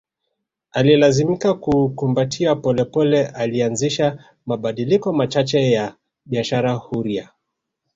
Alilazimika kuukumbatia pole pole alianzisha mabadiliko machache ya biashara huria